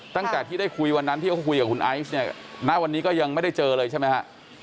ตั้งแต่ที่ได้คุยวันนั้นที่เขาคุยกับคุณไอซ์เนี่ยณวันนี้ก็ยังไม่ได้เจอเลยใช่ไหมฮะ